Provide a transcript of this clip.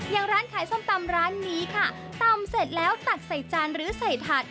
อย่างร้านขายส้มตำร้านนี้ค่ะตำเสร็จแล้วตักใส่จานหรือใส่ถัด